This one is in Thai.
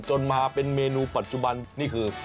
จนมาเป็นเมนูปัจจุบันนี่คือ